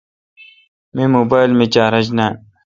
می موبایل مے چارج نان۔